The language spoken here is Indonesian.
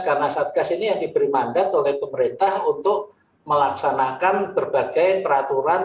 karena satgas ini yang diberi mandat oleh pemerintah untuk melaksanakan berbagai peraturan